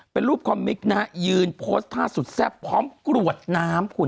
เป็นรูปคอมมิกนะฮะยืนโพสต์ท่าสุดแซ่บพร้อมกรวดน้ำคุณ